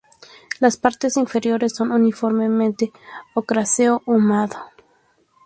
Las partes inferiores son uniformemente ocráceo ahumado.